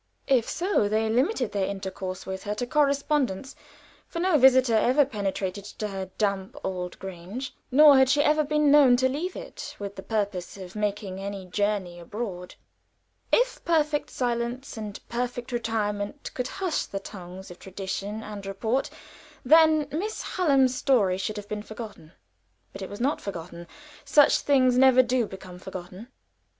If so, they limited their intercourse with her to correspondence, for no visitor ever penetrated to her damp old Grange, nor had she ever been known to leave it with the purpose of making any journey abroad. If perfect silence and perfect retirement could hush the tongues of tradition and report, then Miss Hallam's story should have been forgotten. But it was not forgotten. Such things never do become forgotten.